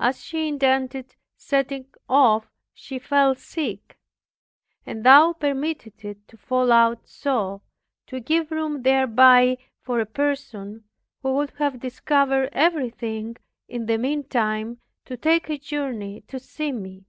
As she intended setting off, she fell sick. And Thou permitted it to fall out so, to give room thereby for a person, who would have discovered everything, in the meantime to take a journey to see me.